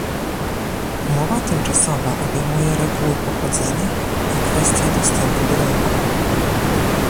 Umowa tymczasowa obejmuje reguły pochodzenia i kwestie dostępu do rynku